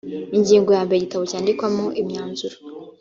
ingingo ya mbere igitabo cyandikwamo imyanzuro